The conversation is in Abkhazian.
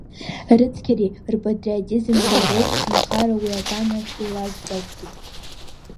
Рыцқьареи рпатриотизмреи роуп нхара уи аганахь илазгазгьы.